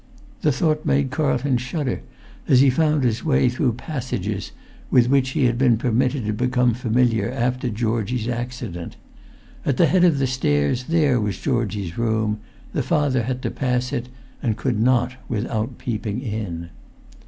The thought made Carlton shudder as he found his way through passages with which he had been permitted to become familiar after Georgie's accident. At the head of the stairs there was Georgie's room; the father had to pass it; and could not, without peeping in.